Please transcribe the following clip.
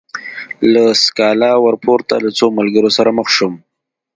له سکالا ورپورته له څو ملګرو سره مخ شوم.